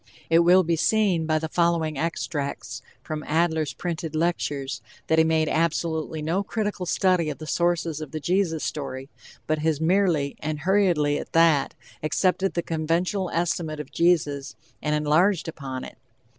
It will be seen by the following extracts from Adler's printed lectures that he has made absolutely no critical study of the sources of the Jesus story, but has merely, and hurriedly at that, accepted the conventional estimate of Jesus and enlarged upon it.